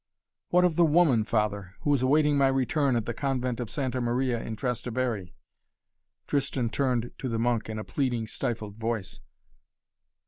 "What of the woman, Father, who is awaiting my return at the Convent of Santa Maria in Trastevere?" Tristan turned to the monk in a pleading, stifled voice.